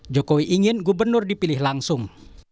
jokowi ingin gubernur dipilih langsung